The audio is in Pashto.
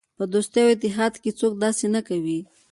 په دوستۍ او اتحاد کې څوک داسې نه کوي.